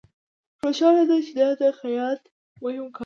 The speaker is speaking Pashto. روښانه ده چې دا د خیاط مهم کار دی